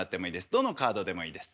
どのカードでもいいです。